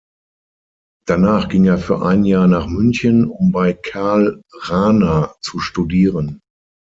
Danach ging er für ein Jahr nach München, um bei Karl Rahner zu studieren.